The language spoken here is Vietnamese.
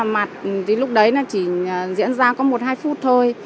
mặt thì lúc đấy nó chỉ diễn ra có một hai phút thôi